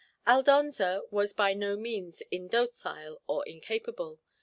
Aldonza was by no means indocile or incapable.